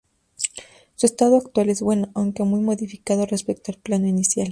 Su estado actual es bueno, aunque muy modificado respecto al plano inicial.